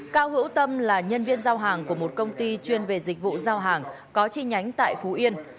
cao hữu tâm là nhân viên giao hàng của một công ty chuyên về dịch vụ giao hàng có chi nhánh tại phú yên